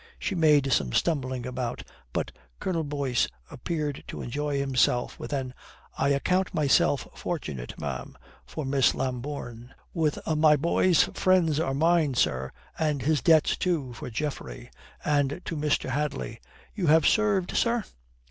She made some stumbling about it, but Colonel Boyce appeared to enjoy himself with an "I account myself fortunate, ma'am," for Miss Lambourne; with a "My boy's friends are mine, sir and his debts too," for Geoffrey; and to Mr. Hadley, "You have served, sir?"